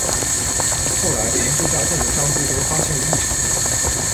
后来，从这家店的账簿中发现了异常。